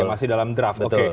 masih dalam draft